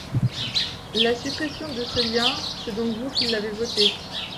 La suppression de ce lien, c’est donc vous qui l’avez votée.